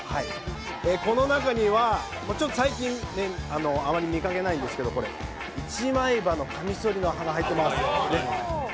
この中には、最近あまり見かけないんですけど、一枚刃のかみそりの刃が入ってます。